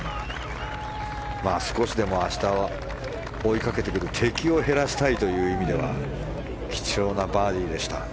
少しでも明日追いかけてくる敵を減らしたいという意味では貴重なバーディーでした。